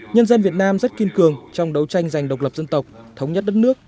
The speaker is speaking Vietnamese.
nhân dân việt nam rất kiên cường trong đấu tranh giành độc lập dân tộc thống nhất đất nước